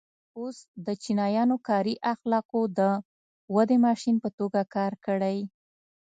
اوس د چینایانو کاري اخلاقو د ودې ماشین په توګه کار کړی.